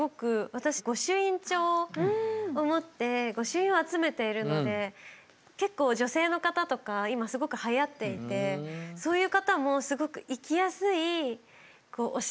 私御朱印帳を持って御朱印を集めているので結構女性の方とか今すごくはやっていてそういう方もすごく行きやすいお城だなっていう。